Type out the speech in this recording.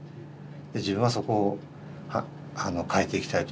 自分はそこを変えていきたいと。